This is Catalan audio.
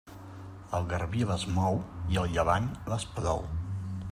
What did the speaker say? El garbí les mou i el llevant les plou.